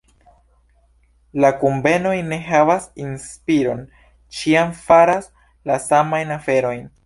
La kunvenoj ne havas inspiron, ĉiam faras la samajn aferojn.